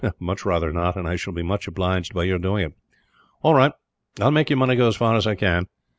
"Much rather not, and I shall be much obliged by your doing it." "All right. I will make your money go as far as I can.